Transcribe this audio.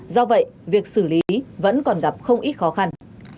do vậy việc xử lý vẫn còn gặp không ít khó khăn